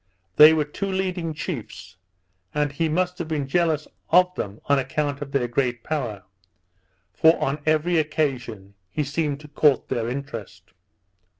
They were two leading chiefs; and he must have been jealous of them on account of their great power; for on every occasion he seemed to court their interest.